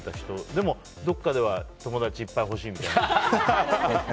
でも、どこかでは友達いっぱい欲しいみたいな。